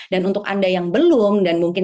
dan untuk anda yang belum dan mungkin